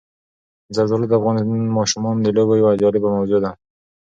زردالو د افغان ماشومانو د لوبو یوه جالبه موضوع ده.